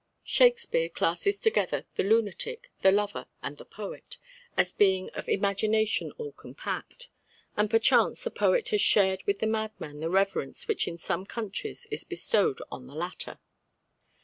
Shakespeare classes together "the lunatic, the lover, and the poet" as being "of imagination all compact"; and perchance the poet has shared with the madman the reverence which in some countries is bestowed on the latter.